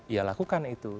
ya lakukan itu